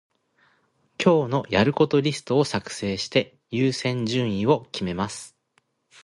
今日のやることリストを作成して、優先順位を決めます。